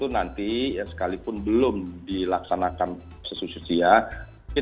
nanti sekalipun belum dilaksanakan sesuatu setia